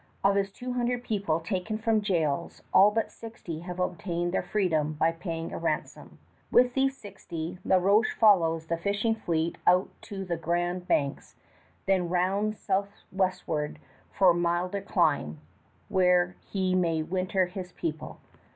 Of his two hundred people taken from jails, all but sixty have obtained their freedom by paying a ransom. With these sixty La Roche follows the fishing fleet out to the Grand Banks, then rounds southwestward for milder clime, where he may winter his people.